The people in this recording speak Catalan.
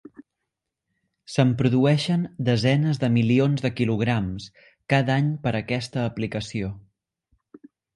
Se'n produeixen desenes de milions de kilograms cada any per a aquesta aplicació.